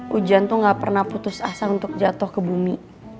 hujan tuh gak pernah putus asa untuk jatuh ke bumi